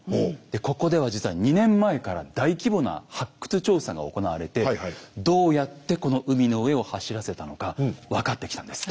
でここでは実は２年前から大規模な発掘調査が行われてどうやってこの海の上を走らせたのか分かってきたんです。